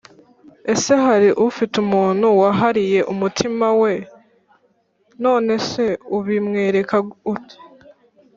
ese hari ufite umuntu wahariye umutima wawe? nonese ubimwereka ute?